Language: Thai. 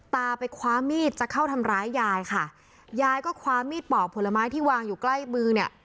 ตาไปคว้ามีดจะเข้าทำร้ายยายค่ะยายก็คว้ามีดปอกผลไม้ที่วางอยู่ใกล้มือเนี่ย